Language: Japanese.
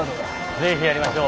是非やりましょう。